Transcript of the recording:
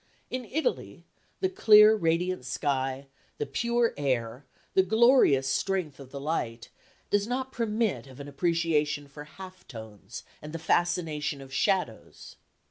In Italy, the clear, radiant sky, the pure air, the glorious strength of the light, does not permit of an appreciation for half tones and the fascination of shadows.